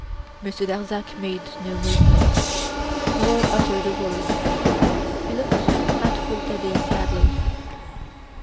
Monsieur Darzac made no movement, nor uttered a word. He looked at Rouletabille sadly.